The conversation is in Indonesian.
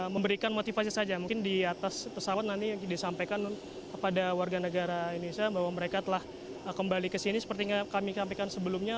memberikan motivasi saja mungkin di atas pesawat nanti disampaikan kepada warga negara indonesia bahwa mereka telah kembali ke sini seperti kami sampaikan sebelumnya